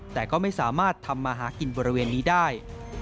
แต่ก็ไม่สามารถทำมาหากินบริเวณนี้ได้